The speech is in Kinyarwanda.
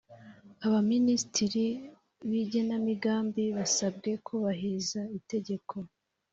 aba minisitiri bigenamigambi basabwe kubahiriza itegeko